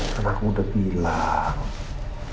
karena aku udah bilang